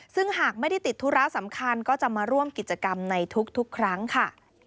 ซึ่งหากไม่ได้ติดธุระสำคัญก็จะมาร่วมกิจกรรมในทุกครั้งค่ะ